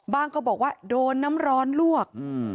ก็บอกว่าโดนน้ำร้อนลวก